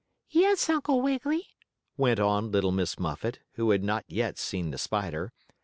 "Yes, Uncle Wiggily," went on little Miss Muffet, who had not yet seen the spider.